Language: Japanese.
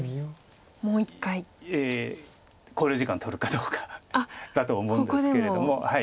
考慮時間取るかどうかだと思うんですけれども。